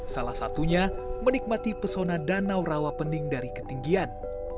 salah satunya menikmati pesona danau rawapening dari ketinggian